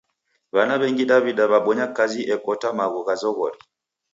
W'ana w'engi Daw'ida w'abonya kazi ekota magho gha zoghori.